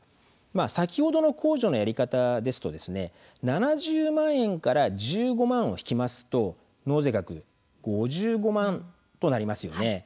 先ほどの控除のやり方ですと７０万円から１５万円引きますと納税額は５５万円となります。